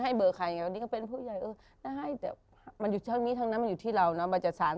ไม่โรแมนติกตรงนั้นก็ได้